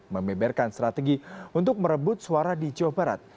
membeberkan strategi untuk merebut suara di jawa barat